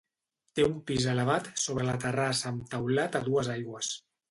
Té un pis elevat sobre la terrassa amb teulat a dues aigües.